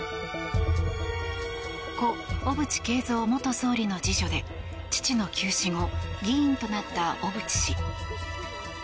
故・小渕恵三元総理の次女で父の急死後議員となった小渕氏。